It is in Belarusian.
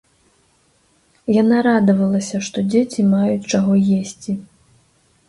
Яна радавалася, што дзеці маюць чаго есці.